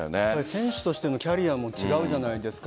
選手としてのキャリアも違うじゃないですか。